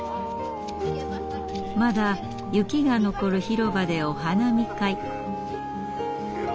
まだ雪が残る広場でお花見会。